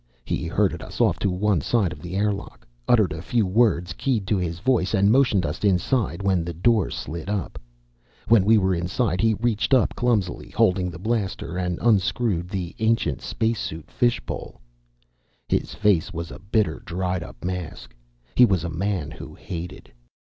He herded us off to one side of the airlock, uttered a few words keyed to his voice, and motioned us inside when the door slid up. When we were inside he reached up, clumsily holding the blaster, and unscrewed the ancient spacesuit fishbowl. His face was a bitter, dried up mask. He was a man who hated.